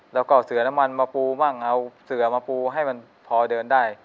แล้วก็เสือน้ำมันมาปูมั่งเอาเสือมาปูให้มันพอเดินได้